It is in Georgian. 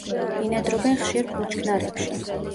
ბინადრობენ ხშირ ბუჩქნარებში.